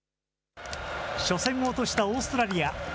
初戦を落としたオーストラリア。